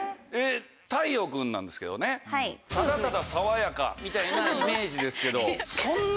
太陽君なんですけどねただただ爽やかみたいなイメージですけど。